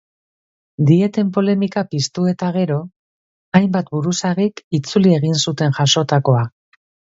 Dieten polemika piztu eta gero, hainbat buruzagik itzuli egin zuten jasotakoa.